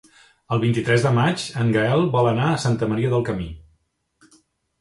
El vint-i-tres de maig en Gaël vol anar a Santa Maria del Camí.